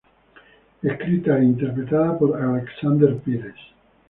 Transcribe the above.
Escrita y Interpretada por Alexandre Pires.